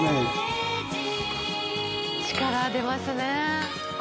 力出ますね。